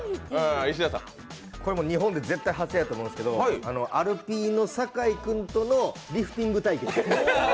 これも日本で絶対初やと思うんですけど、アルピーの酒井君とのリフティング対決。